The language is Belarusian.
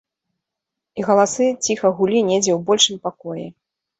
Іх галасы ціха гулі недзе ў большым пакоі.